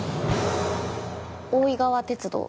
大井川鐵道。